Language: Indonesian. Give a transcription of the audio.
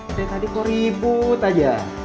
udah tadi kok ribut aja